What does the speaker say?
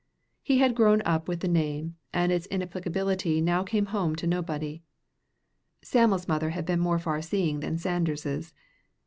He had grown up with the name, and its inapplicability now came home to nobody. Sam'l's mother had been more far seeing than Sanders's.